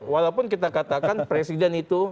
walaupun kita katakan presiden itu